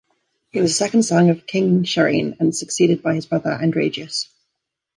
He was the second son of King Cherin and succeeded by his brother Andragius.